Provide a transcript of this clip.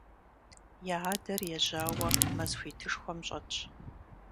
Я адэр ежьауэ мэз хуитышхуэм щӀэтщ.